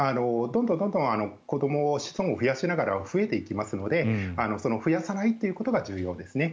どんどん子どもを増やしながら増えていきますので増やさないということが重要ですね。